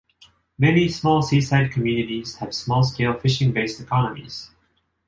Many small seaside communities have small-scale fishing-based economies.